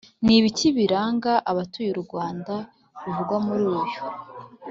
Ni ibiki biranga abatuye u Rwanda bivugwa muri uyu